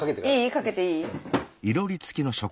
かけていい？